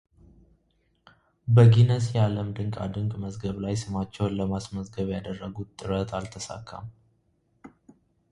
በጊነስ የዓለም ድንቃ ድንቅ መዝገብ ላይ ስማቸውን ለማስመዝገብ ያደረጉት ጥረት አልተሳካም።